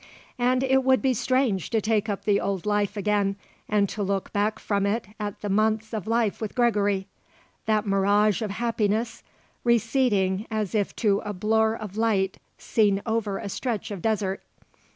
And it would be strange to take up the old life again and to look back from it at the months of life with Gregory that mirage of happiness receding as if to a blur of light seen over a stretch of desert.